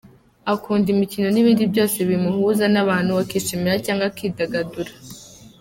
Akunda imikino n’ibindi byose bimuhuza n’abantu akishima cyangwa akidagadura.